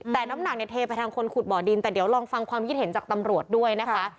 แต่น้ำหนักเนี่ยเทไปทางคนขุดบ่อดินแต่เดี๋ยวลองฟังความคิดเห็นจากตำรวจด้วยนะคะ